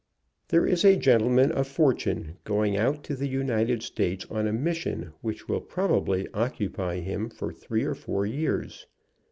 "There is a gentleman of fortune going out to the United States on a mission which will probably occupy him for three or four years.